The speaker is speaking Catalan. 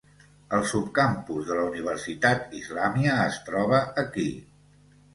El subcampus de la Universitat Islamia es troba aquí.